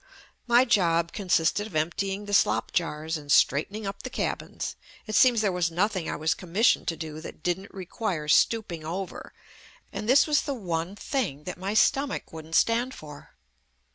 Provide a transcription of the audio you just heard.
... My job consisted of emp tying the slop jars and straightening up the cabins. It seems there was nothing I was com missioned to do that didn't require stooping over, and this was the one thing that my stom ach wouldn't stand for.